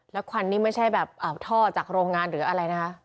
แล้วควันนี่ไม่ใช่แบบท่อจากโรงงานหรืออะไรนะคะ